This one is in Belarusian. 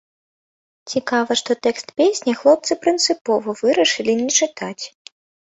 Цікава, што тэкст песні хлопцы прынцыпова вырашылі не чытаць.